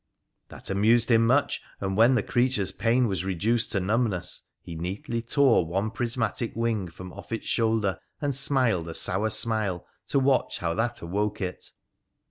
That amused him much, and when the creature's pain was reduced to numbness he neatly tore one prismatic wing from off its shoulder, and smiled a sour smile to watch how that awoke it.